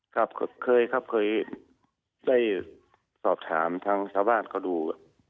ครับเคยครับเคยได้สอบถามทางชาวบ้านเขาดู